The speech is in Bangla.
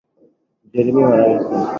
জেরেমি মারা গেছে!